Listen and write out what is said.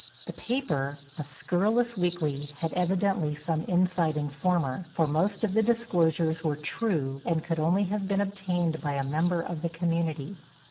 The paper, a scurrilous weekly, had evidently some inside informer, for most of the disclosures were true and could only have been obtained by a member of the community.